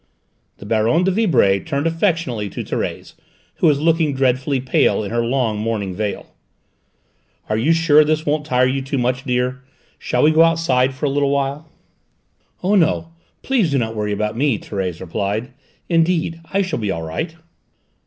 The Baronne de Vibray turned affectionately to Thérèse, who was looking dreadfully pale in her long mourning veil. "Are you sure this won't tire you too much, dear? Shall we go outside for a little while?" "Oh, no, please do not worry about me," Thérèse replied. "Indeed I shall be all right."